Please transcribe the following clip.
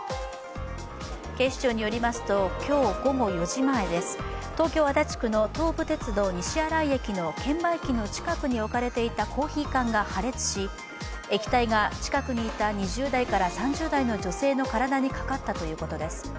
警視庁によりますと今日午後４時前です、東京・足立区の東武鉄道・西新井駅の券売機の近くに置かれていたコーヒー缶が破裂し液体が近くにいた２０代から３０代の女性の体にかかったということです。